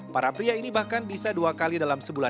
para pria ini bahkan bisa dua kali dalam sebulan